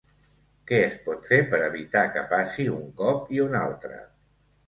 Què es pot fer per evitar que passi un cop i un altre?